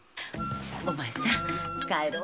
お前さん帰ろうよ。